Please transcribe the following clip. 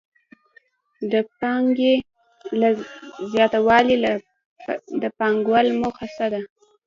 د پانګې له زیاتوالي د پانګوال موخه څه ده